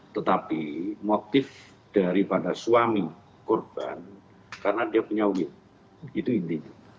tetapi motif daripada suami korban karena dia punya duit itu intinya